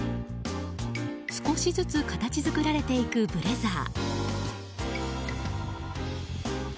少しずつ形作られていくブレザー。